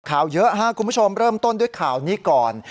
ข่าวเยอะครับคุณผู้ชมเริ่มต้นด้วยข่าวนี้ก่อน